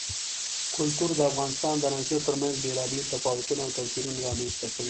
کلتور د افغانستان د ناحیو ترمنځ بېلابېل تفاوتونه او توپیرونه رامنځ ته کوي.